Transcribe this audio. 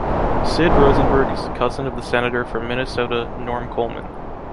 Sid Rosenberg is the cousin of the senator from Minnesota Norm Coleman.